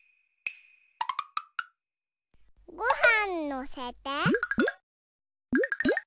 ごはんのせて。